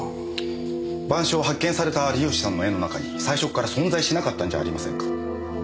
『晩鐘』は発見された有吉さんの絵の中に最初から存在しなかったんじゃありませんか？